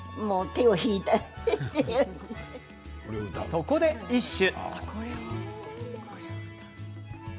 そこで、一首。